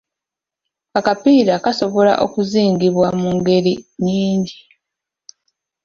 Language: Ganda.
Akapiira kasobola okuzingibwa mu ngeri nnyingi.